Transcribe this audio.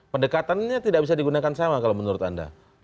pendekatannya tidak bisa digunakan sama kalau menurut anda